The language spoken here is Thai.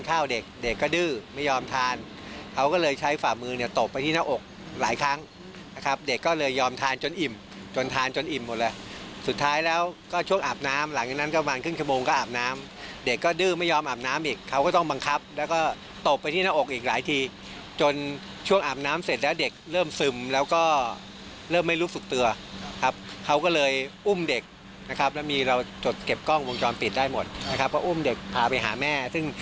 เขาก็เลยใช้ฝ่ามือเนี่ยตกไปที่หน้าอกหลายครั้งนะครับเด็กก็เลยยอมทานจนอิ่มจนทานจนอิ่มหมดแล้วสุดท้ายแล้วก็ช่วงอาบน้ำหลังจากนั้นก็วันครึ่งชั่วโมงก็อาบน้ำเด็กก็ดื้อไม่ยอมอาบน้ำอีกเขาก็ต้องบังคับแล้วก็ตกไปที่หน้าอกอีกหลายทีจนช่วงอาบน้ำเสร็จแล้วเด็กเริ่มซึมแล้วก็เริ่มไม่รู้สุขเต